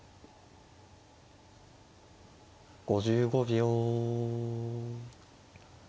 ５５秒。